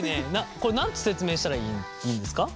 これ何て説明したらいいんですか？